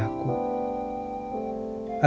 dan memulih aku